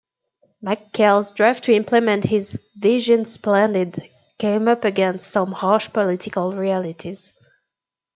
McKell's drive to implement his 'vision splendid' came up against some harsh political realities.